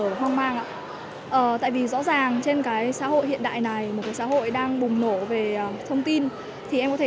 ở hoang mang ạ tại vì rõ ràng trên cái xã hội hiện đại này một cái xã hội đang bùng nổ về thông tin thì em có thể